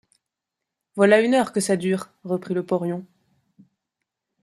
Voilà une heure que ça dure, reprit le porion.